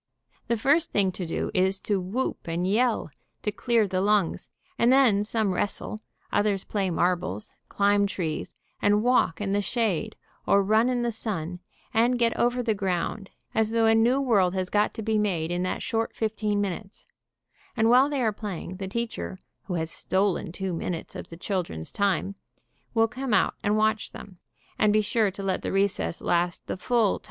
The first thing to do is to whoop and yell, to clear the lungs, and then some wrestle, others play marbles, climb trees, and walk in the shade or run in the sun, and get over the ground as though a new world had got to be made in that short fifteen minutes, and while they are playing, the teacher, who has stolen two min utes of the children's time, will come out and watch them, and be sure to let the recess last the full time, The happiest boy in school.